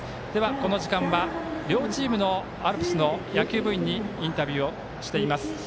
この時間は両チームのアルプスの野球部員にインタビューをしています。